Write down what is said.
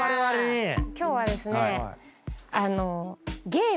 今日はですねあの。